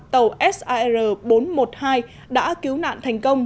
tàu sir bốn trăm một mươi hai đã cứu nạn thành công